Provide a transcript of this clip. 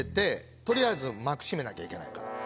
取りあえず幕閉めなきゃいけないから。